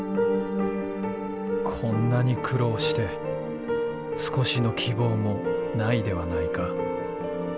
「こんなに苦労して少しの希望もないではないか」。